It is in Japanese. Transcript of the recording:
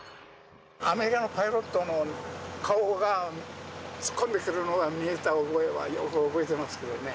アメリカのパイロットの顔が、突っ込んでくるのが見えた覚えは、よく覚えてますけどね。